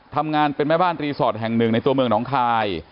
ทำงานเป็นแม่บ้านรีสอร์ทแห่งหนึ่งในตัวเมืองหนองคาย